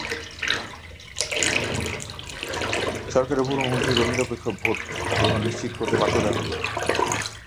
সরকারের ওপরমহল থেকেও নিরপেক্ষভাবে ভোট গ্রহণ নিশ্চিত করতে বার্তা দেওয়া হবে।